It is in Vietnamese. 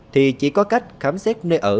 thì chỉ có cách khám xét nơi ở